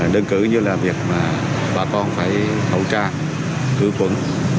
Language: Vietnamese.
đơn cử như là việc bà con phải hậu trang cứu quấn